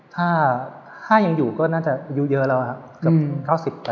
ถ้ายังอยู่ก็น่าจะอยู่เยอะแล้วครับ